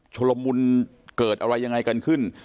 ละมุนเกิดอะไรยังไงกันขึ้น